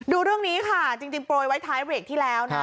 ดูเรื่องนี้ค่ะจริงโปรยไว้ท้ายเบรกที่แล้วนะ